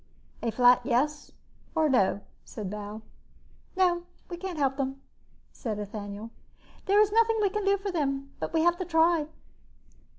"A flat yes or no," said Bal. "No. We can't help them," said Ethaniel. "There is nothing we can do for them but we have to try."